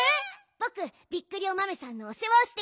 ぼくびっくりおまめさんのおせわをしてくるね！